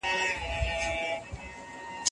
باغچه باید په راتلونکي کې هم همداسې شنه پاتې شي.